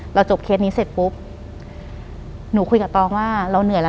หลังจากนั้นเราไม่ได้คุยกันนะคะเดินเข้าบ้านอืม